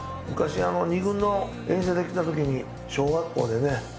昔二軍の遠征で来たときに小学校でね